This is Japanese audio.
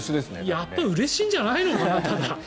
やっぱり、ただうれしいんじゃないのかな。